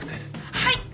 はい！